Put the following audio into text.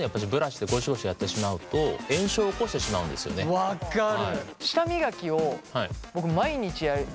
分かる。